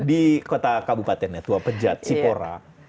di kota kabupatennya tua pejat sipora